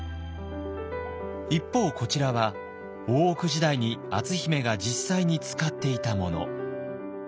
一方こちらは大奥時代に篤姫が実際に使っていたもの。